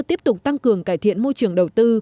tiếp tục tăng cường cải thiện môi trường đầu tư